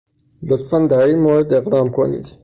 لطفاً در این مورد اقدام کنید.